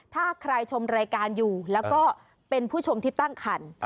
ถ้าใครชมรายการอยู่แล้วก็เป็นผู้ชมที่ตั้งคัน